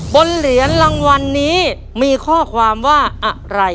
เหรียญรางวัลนี้มีข้อความว่าอะไร